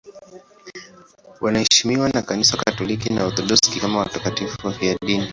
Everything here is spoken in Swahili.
Wanaheshimiwa na Kanisa Katoliki na Waorthodoksi kama watakatifu wafiadini.